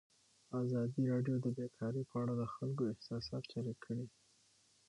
ازادي راډیو د بیکاري په اړه د خلکو احساسات شریک کړي.